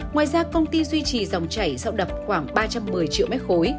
ngoài ra công ty duy trì dòng chảy sau đập khoảng ba trăm một mươi triệu m ba